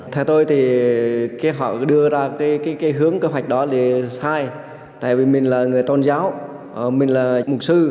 theo tôi thì khi họ đưa ra cái hướng kế hoạch đó thì sai tại vì mình là người tôn giáo họ mình là mục sư